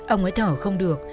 ông ấy thở không được